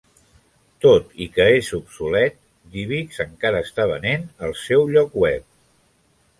Tot i que és obsolet, DivX encara està venent al seu lloc web.